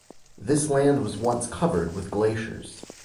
This land was once covered with glaciers.